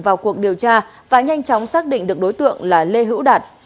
vào cuộc điều tra và nhanh chóng xác định được đối tượng là lê hữu đạt